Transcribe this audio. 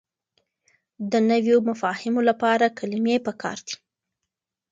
د نويو مفاهيمو لپاره کلمې پکار دي.